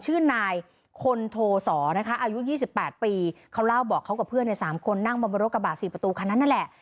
ชื่อนายคนโทสอนะคะอายุ๒๘ปีเขาเล่าบอกเขากับเพื่อนใน๓คนนั่งมาบนรถกระบาดสี่ประตูคันนั้นนั่นแหละ